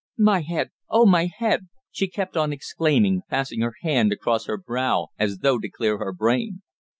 "My head! Oh! my head!" she kept on exclaiming, passing her hand across her brow as though to clear her brain.